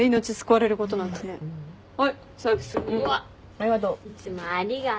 ありがとう。